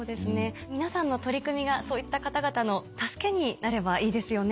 皆さんの取り組みがそういった方々の助けになればいいですよね。